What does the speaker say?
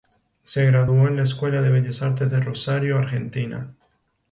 Se graduó en la Escuela de Bellas Artes de Rosario, Argentina.